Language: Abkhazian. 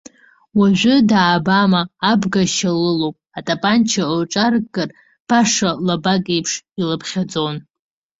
Уажә даабама, абга шьа лылоуп, атапанча лҿаркыр, баша лабак еиԥш илыԥхьаӡон.